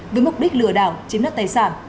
với mục đích lừa đảo chiếm đoạt tài sản